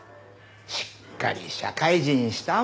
しっかり社会人したもん。